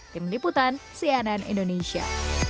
tim liputan cnn indonesia